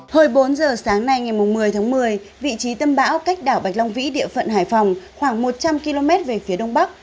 hồi bốn giờ sáng nay ngày một mươi tháng một mươi vị trí tâm bão cách đảo bạch long vĩ địa phận hải phòng khoảng một trăm linh km về phía đông bắc